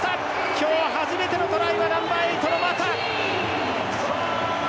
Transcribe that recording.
今日、初めてのトライはナンバーエイトのマタ。